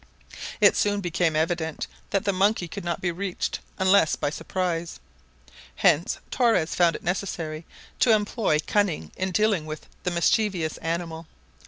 It soon became evident that the monkey could not be reached unless by surprise. Hence Torres found it necessary to employ cunning in dealing with the mischievous animal.